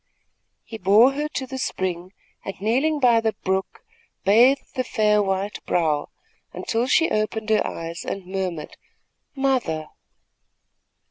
He bore her to the spring and, kneeling by the brook, bathed the fair white brow, until she opened her eyes and murmured: "Mother!"